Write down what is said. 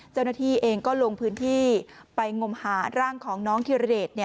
เจ้าหน้าที่เองก็ลงพื้นที่ไปงมหาร่างของน้องธิรเดช